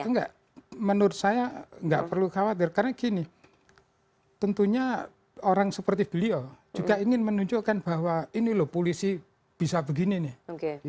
enggak menurut saya nggak perlu khawatir karena gini tentunya orang seperti beliau juga ingin menunjukkan bahwa ini loh polisi bisa begini nih